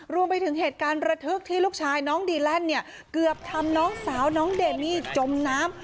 รวมไปถึงเหตุการณ์ระทึกที่ลูกชายน้องดีแลนด์เนี่ยเกือบทำน้องสาวน้องเดมี่จมน้ำ